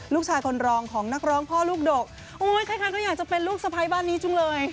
ลูกชายคนรองของนักร้องพ่อลูกดกโอ้ยคล้ายก็อยากจะเป็นลูกสะพ้ายบ้านนี้จังเลย